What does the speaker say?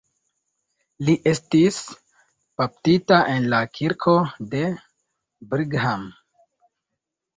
Li estis baptita en la kirko de Brigham.